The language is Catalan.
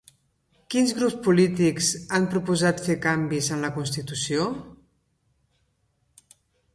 Quins grups polítics han proposat fer canvis en la constitució?